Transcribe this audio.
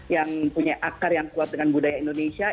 yang punya akar yang kuat dengan budaya indonesia